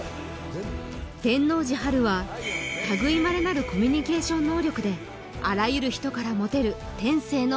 天王寺陽は類いまれなるコミュニケーション能力であらゆる人からモテる天性の